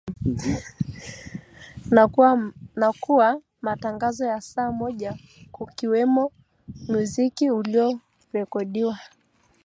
na kuwa matangazo ya saa moja kukiwemo muziki uliorekodiwa